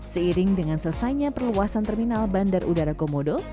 seiring dengan selesainya perluasan terminal bandar udara komodo